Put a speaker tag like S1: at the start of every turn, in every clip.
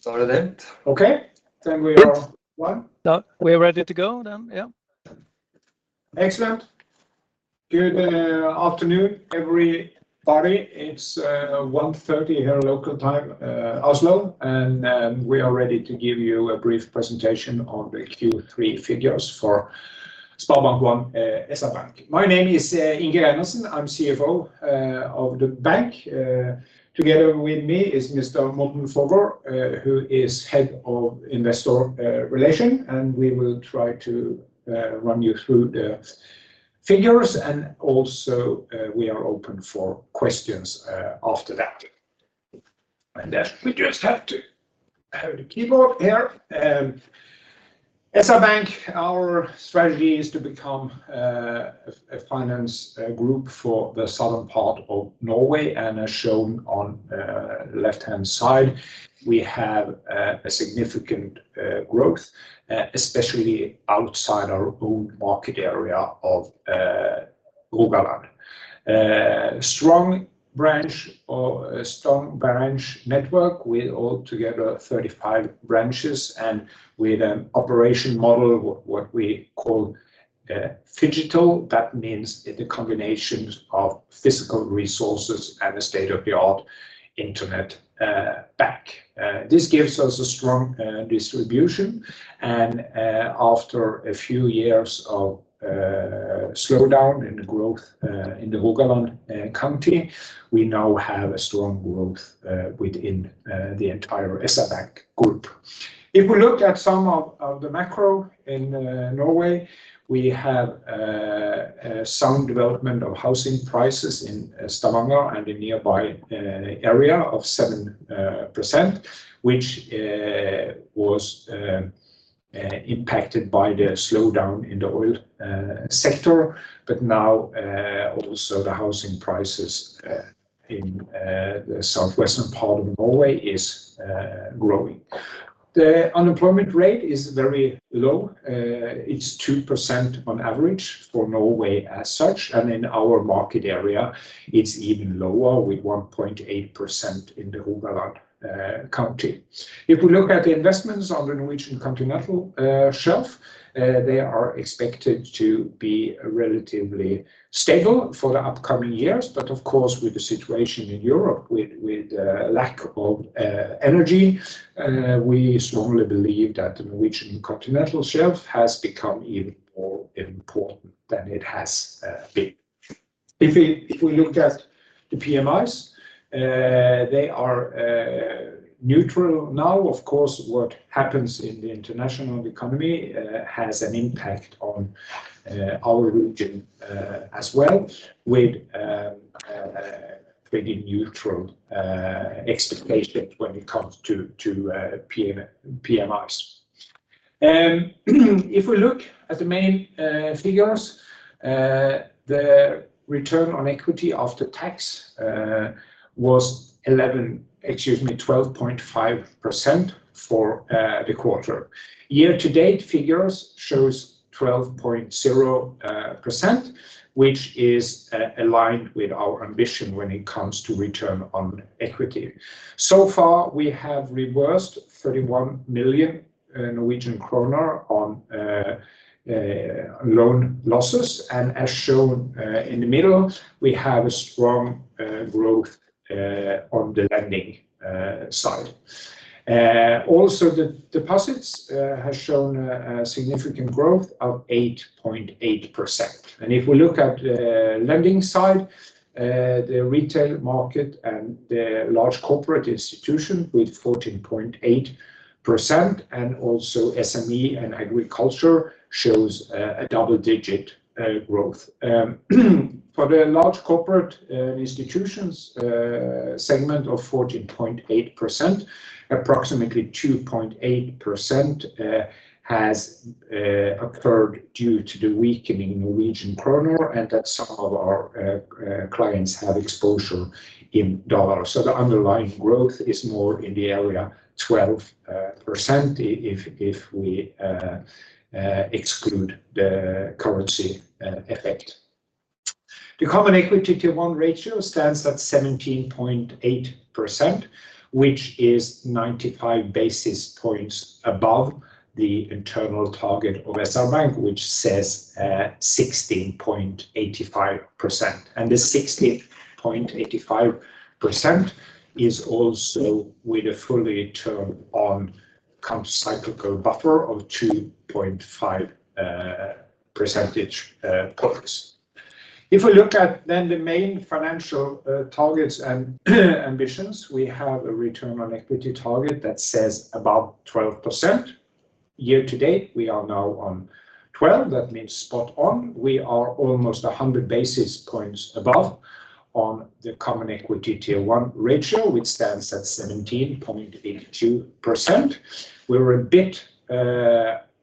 S1: So then.
S2: Okay, we are one.
S1: Now we're ready to go then, yeah.
S2: Excellent. Good afternoon, everybody. It's 1:30 P.M. here local time, Oslo, and we are ready to give you a brief presentation on the Q3 figures for SpareBank 1 SR-Bank. My name is Inge Reinertsen. I'm CFO of the bank. Together with me is Mr. Morten Forgaard, who is head of investor relations. We will try to run you through the figures and also we are open for questions after that. We just have to have the keyboard here. SpareBank 1 SR-Bank, our strategy is to become a financial group for the southern part of Norway. As shown on left-hand side, we have a significant growth, especially outside our own market area of Rogaland. Strong branch network with altogether 35 branches and with an operation model, what we call, phygital. That means the combinations of physical resources and a state-of-the-art internet bank. This gives us a strong distribution. After a few years of slowdown in growth in the Rogaland county, we now have a strong growth within the entire SpareBank 1 SR-Bank group. If we look at some of the macro in Norway, we have sound development of housing prices in Stavanger and the nearby area of 7%, which was impacted by the slowdown in the oil sector. Now, also the housing prices in the southwestern part of Norway is growing. The unemployment rate is very low. It's 2% on average for Norway as such, and in our market area it's even lower with 1.8% in the Rogaland county. If we look at the investments on the Norwegian continental shelf, they are expected to be relatively stable for the upcoming years. Of course, with the situation in Europe with lack of energy, we strongly believe that the Norwegian continental shelf has become even more important than it has been. If we look at the PMIs, they are neutral now. Of course, what happens in the international economy has an impact on our region as well, with pretty neutral expectations when it comes to PMIs. If we look at the main figures, the return on equity after tax was 12.5% for the quarter. Year to date figures shows 12.0%, which is aligned with our ambition when it comes to return on equity. So far, we have reversed 31 million Norwegian kroner on loan losses. As shown in the middle, we have a strong growth on the lending side. Also the deposits has shown a significant growth of 8.8%. If we look at the lending side, the retail market and the large corporate institution with 14.8% and also SME and agriculture shows a double-digit growth. For the large corporate institutions segment of 14.8%, approximately 2.8% has occurred due to the weakening Norwegian kroner, and that some of our clients have exposure in dollars. The underlying growth is more in the area of 12% if we exclude the currency effect. The common equity tier one ratio stands at 17.8%, which is 95 basis points above the internal target of SpareBank 1 SR-Bank, which says 16.85%. The 16.85% is also with a fully turned on countercyclical buffer of 2.5 percentage points. If we look at the main financial targets and ambitions, we have a return on equity target that says above 12%. Year to date, we are now on 12, that means spot on. We are almost 100 basis points above on the common equity tier one ratio, which stands at 17.82%. We're a bit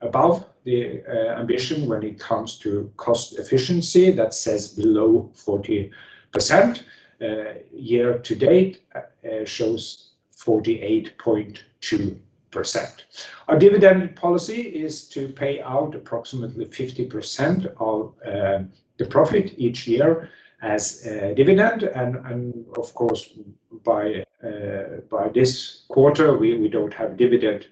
S2: above the ambition when it comes to cost efficiency. That says below 40%. Year to date shows 48.2%. Our dividend policy is to pay out approximately 50% of the profit each year as a dividend. Of course, by this quarter, we don't have dividend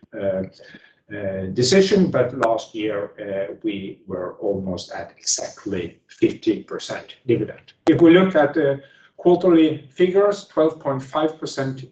S2: decision, but last year we were almost at exactly 50% dividend. If we look at the quarterly figures, 12.5%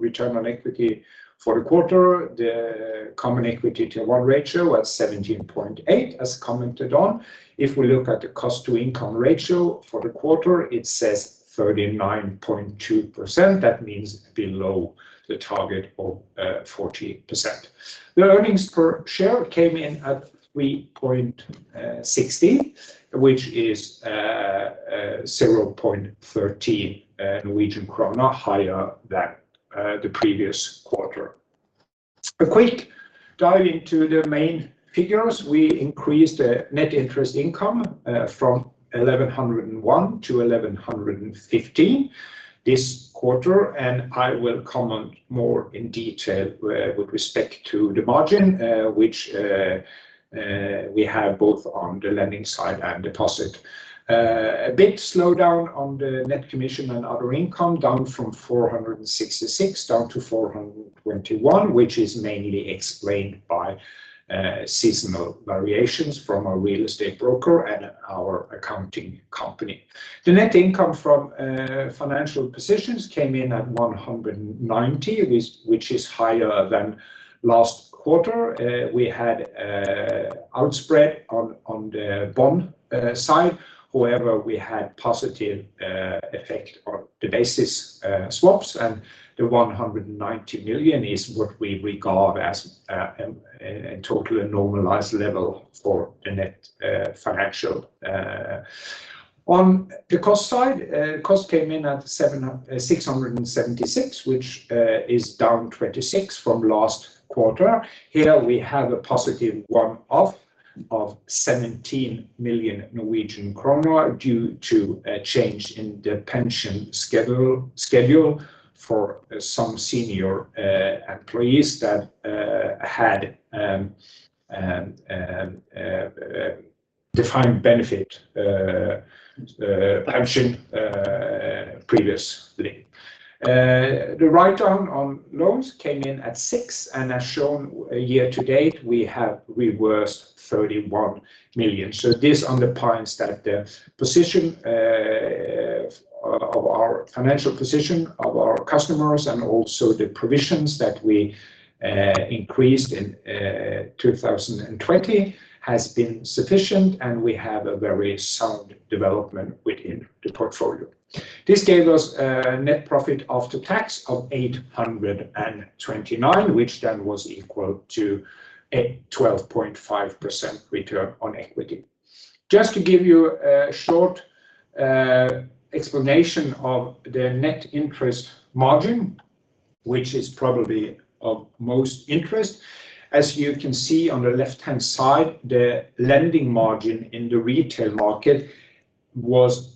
S2: return on equity for the quarter. The common equity tier one ratio at 17.8, as commented on. If we look at the cost to income ratio for the quarter, it says 39.2%. That means below the target of 40%. The earnings per share came in at 3.60 NOK, which is 0.13 Norwegian krone higher than the previous quarter. A quick dive into the main figures. We increased the net interest income from 1,101 to 1,150 this quarter. I will comment more in detail with respect to the margin, which we have both on the lending side and deposit. A bit slowdown on the net commission and other income, down from 466 to 421, which is mainly explained by seasonal variations from our real estate broker and our accounting company. The net income from financial positions came in at 190 million, which is higher than last quarter. We had outspread on the bond side. However, we had positive effect on the basis swaps and the 190 million is what we regard as a totally normalized level for the net financial. On the cost side, cost came in at 676 million, which is down 26 million from last quarter. Here we have a positive one-off of 17 million Norwegian kroner due to a change in the pension schedule for some senior employees that had defined benefit pension previously. The write down on loans came in at 6 million, and as shown year to date, we have reversed 31 million. This underpins that the position of our financial position of our customers and also the provisions that we increased in 2020 has been sufficient and we have a very sound development within the portfolio. This gave us a net profit after tax of 829 million, which then was equal to a 12.5% return on equity. Just to give you a short explanation of the net interest margin, which is probably of most interest. As you can see on the left hand side, the lending margin in the retail market was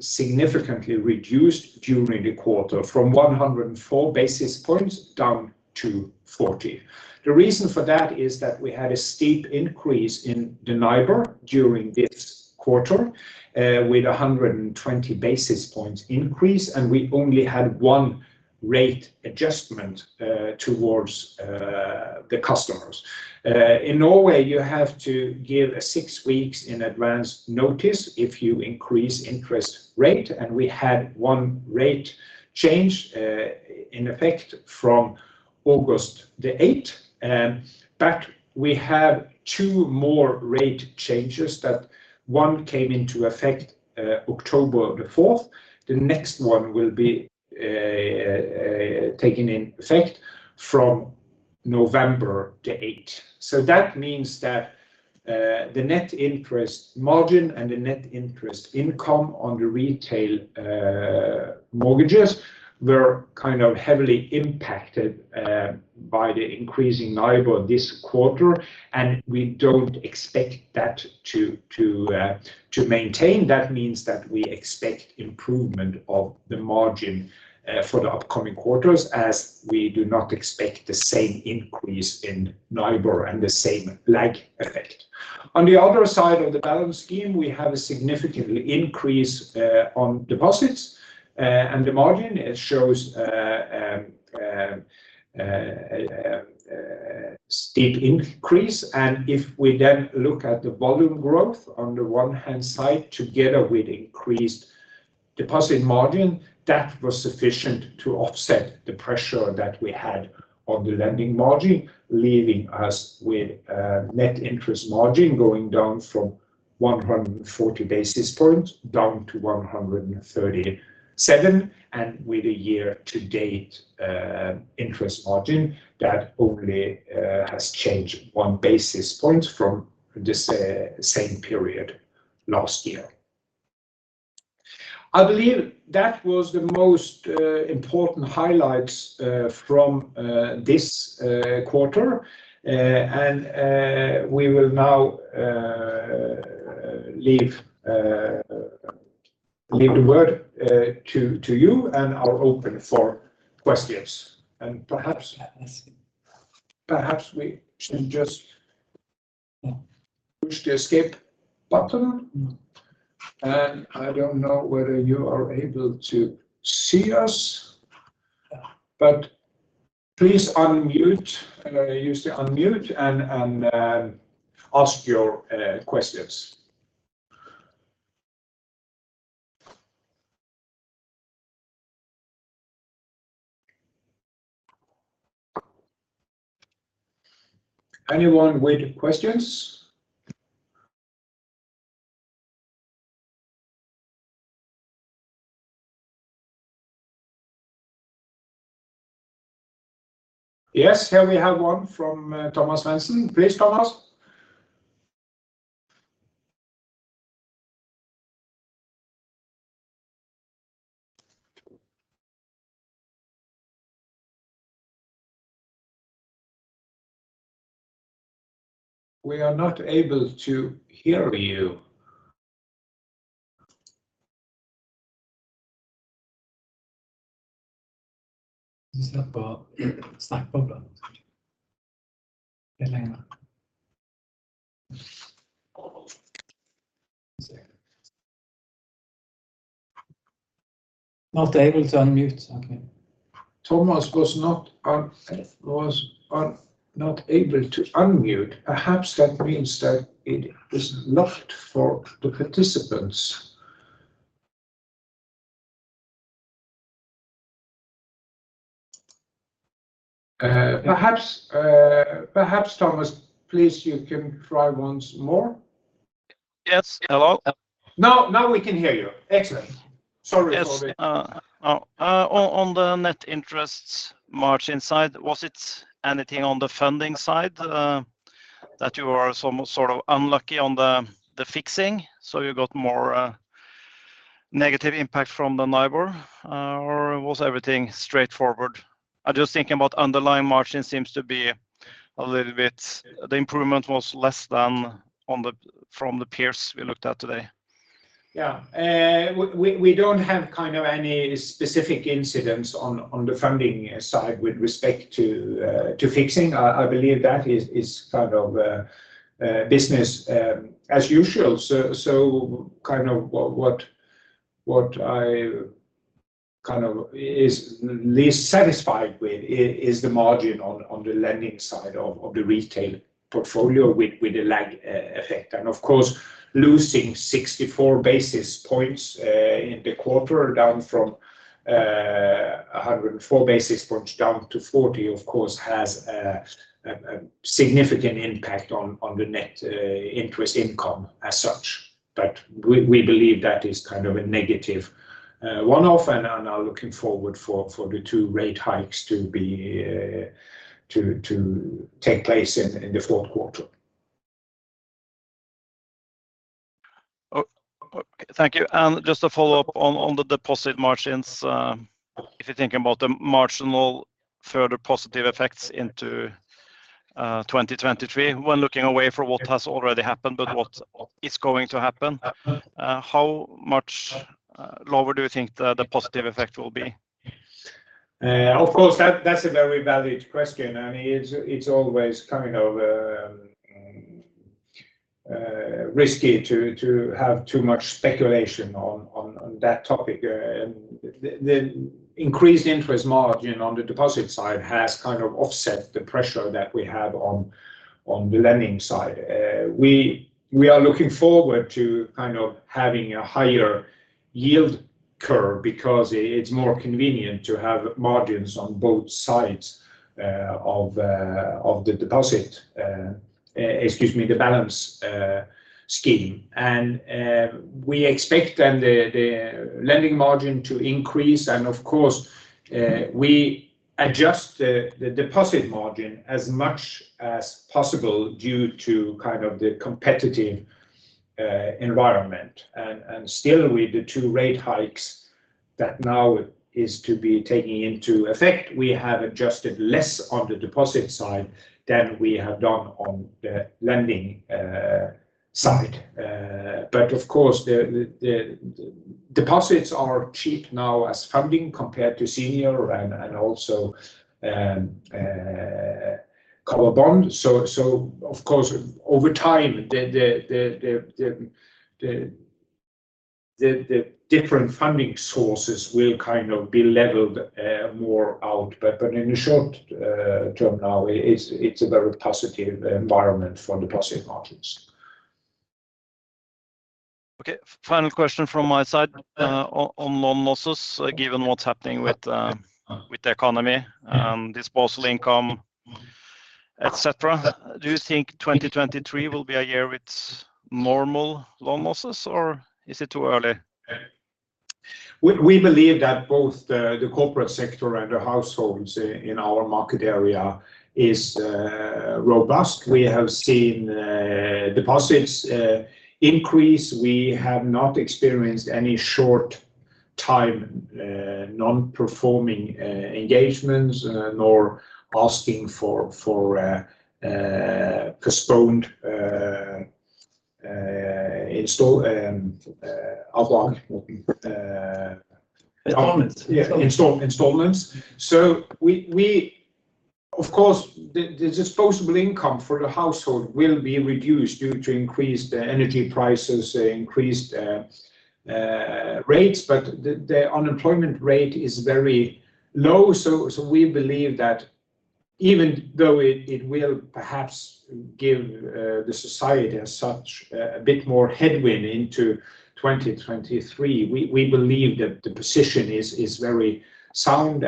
S2: significantly reduced during the quarter from 104 basis points down to 40. The reason for that is that we had a steep increase in the NIBOR during this quarter, with a 120 basis points increase, and we only had one rate adjustment towards the customers. In Norway, you have to give six weeks in advance notice if you increase interest rate. We had one rate change in effect from August 8. We have two more rate changes, one that came into effect October 4. The next one will be taking effect from November 8. That means that the net interest margin and the net interest income on the retail mortgages were kind of heavily impacted by the increasing NIBOR this quarter. We don't expect that to maintain. That means that we expect improvement of the margin for the upcoming quarters as we do not expect the same increase in NIBOR and the same lag effect. On the other side of the balance sheet, we have a significant increase on deposits. The margin, it shows a steep increase. If we then look at the volume growth on the lending side together with increased deposit margin, that was sufficient to offset the pressure that we had on the lending margin, leaving us with a net interest margin going down from 140 basis points down to 137. With a year-to-date interest margin, that only has changed 1 basis point from the same period last year. I believe that was the most important highlights from this quarter. We will now leave the word to you, and I'll open for questions. Perhaps we should just push the escape button. I don't know whether you are able to see us, but please unmute. Use the unmute and ask your questions. Anyone with questions? Yes, here we have one from Thomas Benson. Please, Thomas. We are not able to hear you.
S1: Just let go.
S2: Not able to unmute. Okay. Thomas was not able to unmute. Perhaps that means that it is not for the participants. Perhaps Thomas, please you can try once more.
S3: Yes. Hello.
S2: Now we can hear you. Excellent.
S3: Yes. On the net interest margin side, was it anything on the funding side that you are some sort of unlucky on the fixing, so you got more negative impact from the NIBOR, or was everything straightforward? I'm just thinking about underlying margin. It seems to be a little bit. The improvement was less than from the peers we looked at today.
S2: Yeah. We don't have kind of any specific incidents on the funding side with respect to fixing. I believe that is kind of business as usual. Kind of what I kind of is least satisfied with is the margin on the lending side of the retail portfolio with the lag effect. Of course, losing 64 basis points in the quarter down from 104 basis points down to 40, of course, has a significant impact on the net interest income as such. We believe that is kind of a negative one-off and are now looking forward for the two rate hikes to take place in the Q4.
S3: Oh, thank you. Just to follow up on the deposit margins, if you think about the marginal further positive effects into 2023, when looking ahead to what has already happened but what is going to happen, how much lower do you think the positive effect will be?
S2: Of course, that's a very valid question. I mean, it's always kind of risky to have too much speculation on that topic. The increased interest margin on the deposit side has kind of offset the pressure that we have on the lending side. We are looking forward to kind of having a higher yield curve because it's more convenient to have margins on both sides of the balance sheet. We expect then the lending margin to increase. Of course, we adjust the deposit margin as much as possible due to kind of the competitive environment. Still with the two rate hikes that now is to be taking into effect, we have adjusted less on the deposit side than we have done on the lending side. Of course, the deposits are cheap now as funding compared to senior and also covered bond. Of course, over time, the different funding sources will kind of be leveled more out. In the short term now, it's a very positive environment for deposit margins.
S3: Okay. Final question from my side, on loan losses, given what's happening with the economy, disposable income, etc. Do you think 2023 will be a year with normal loan losses or is it too early?
S2: We believe that both the corporate sector and the households in our market area is robust. We have seen deposits increase. We have not experienced any short-term non-performing engagements nor asking for postponed avdrag.
S4: Installments.
S2: Yeah, installments. Of course, the disposable income for the household will be reduced due to increased energy prices, increased rates. The unemployment rate is very low, so we believe that even though it will perhaps give the society as such a bit more headwind into 2023, we believe that the position is very sound.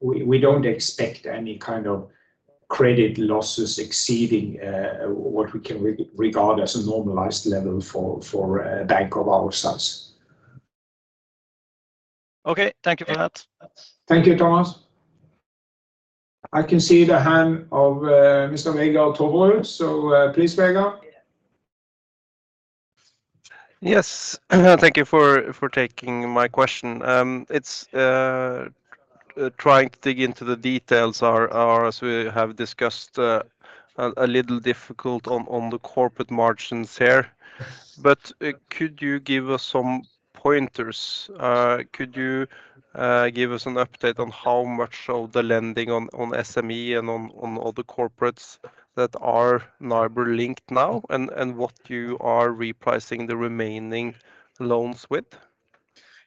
S2: We don't expect any kind of credit losses exceeding what we can regard as a normalized level for a bank of our size.
S3: Okay. Thank you for that.
S2: Thank you, Thomas. I can see the hand of Mr. Vegard Toverud. Please Vegard.
S5: Yes. Thank you for taking my question. It's trying to dig into the details, as we have discussed, a little difficult on the corporate margins here. Could you give us some pointers? Could you give us an update on how much of the lending on SME and on all the corporates that are NIBOR linked now and what you are repricing the remaining loans with?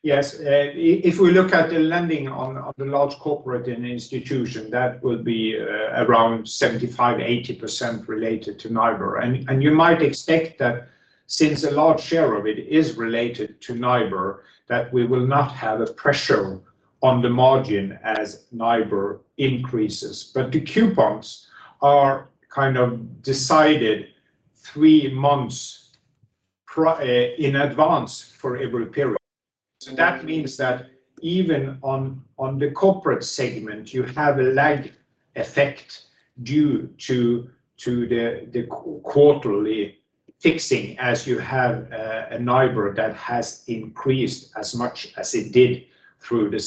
S2: Yes. If we look at the lending on the large corporates and institutions, that will be around 75%-80% related to NIBOR. You might expect that since a large share of it is related to NIBOR, that we will not have a pressure on the margin as NIBOR increases. The coupons are kind of decided three months in advance for every period. That means that even on the corporate segment, you have a lag effect due to the quarterly fixing as you have a NIBOR that has increased as much as it did through the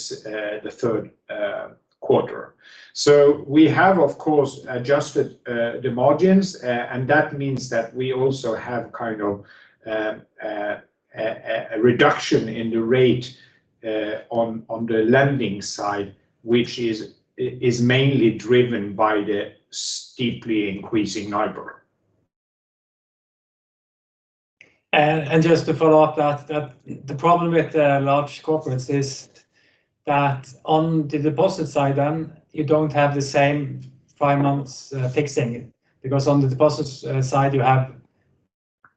S2: Q3. We have, of course, adjusted the margins, and that means that we also have kind of a reduction in the rate on the lending side, which is mainly driven by the steeply increasing NIBOR.
S4: Just to follow up that the problem with the large corporates is that on the deposit side then, you don't have the same five months fixing. Because on the deposit side, you have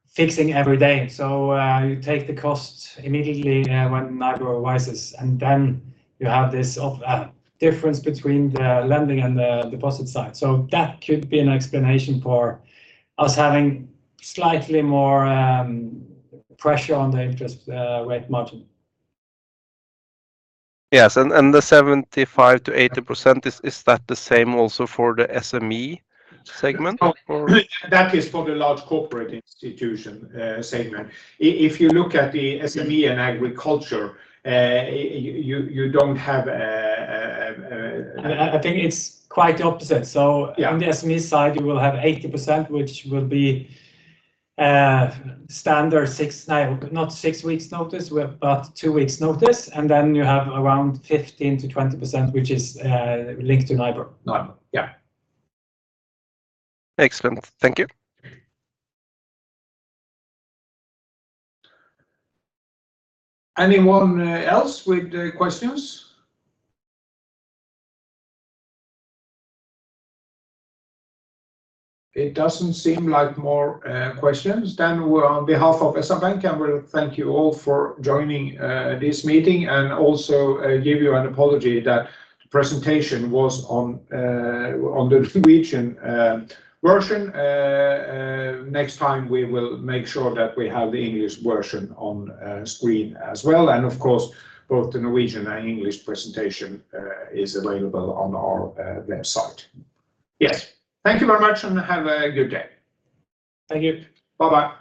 S4: fixing every day. You take the cost immediately when NIBOR rises, and then you have this offset difference between the lending and the deposit side. That could be an explanation for us having slightly more pressure on the interest rate margin.
S5: Yes. The 75%-80%, is that the same also for the SME segment or?
S2: That is for the large corporate institution, segment. If you look at the SME and agriculture, you don't have
S4: I think it's quite the opposite.
S2: Yeah
S4: On the SME side, you will have 80%, which will be standard not six weeks notice, but two weeks notice. Then you have around 15%-20%, which is linked to NIBOR.
S2: NIBOR.
S4: Yeah.
S5: Excellent. Thank you.
S2: Anyone else with questions? It doesn't seem like more questions. On behalf of SpareBank 1 SR-Norge, I will thank you all for joining this meeting, and also give you an apology that the presentation was on the Norwegian version. Next time we will make sure that we have the English version on screen as well. Of course, both the Norwegian and English presentation is available on our website. Yes. Thank you very much, and have a good day.
S4: Thank you.
S2: Bye-bye.